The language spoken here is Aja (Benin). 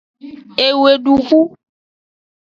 Eweduxu.